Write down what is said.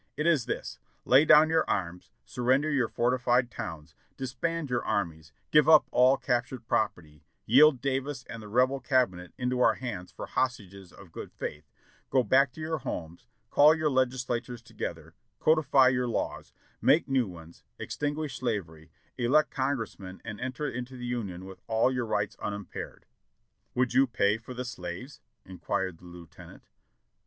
It is this : lay down your arms, sur render your fortified towns, disband your armies, give up all cap tured property, yield Davis and the Rebel Cabinet into our hands for hostages of good faith, go back to your homes, call your legislatures together, codify your laws, make new ones, extinguish slavery, elect Congressmen and enter into the Union with all your rights unimpaired. "Would you pay for the slaves?" inquired the Lieutenant.